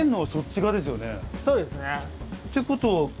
そうですね。ってことは。